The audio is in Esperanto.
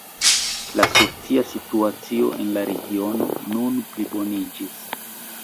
La socia situacio en la regiono nun pliboniĝis.